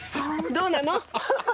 どうなの？